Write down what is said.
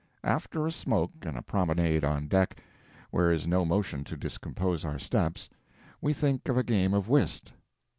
After a smoke and a promenade on deck, where is no motion to discompose our steps, we think of a game of whist.